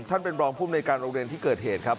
ท่านเป็นรองภูมิในการโรงเรียนที่เกิดเหตุครับ